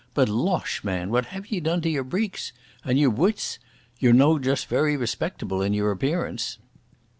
"But losh! man, what have ye done to your breeks! And your buits? Ye're no just very respectable in your appearance."